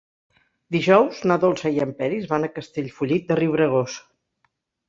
Dijous na Dolça i en Peris van a Castellfollit de Riubregós.